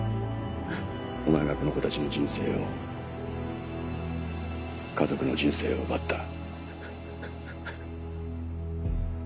お前がこの子たちの人生を家族の人生を奪った。